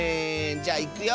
じゃいくよ。